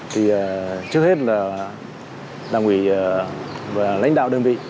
thì trước hết là đảng ủy và lãnh đạo đơn vị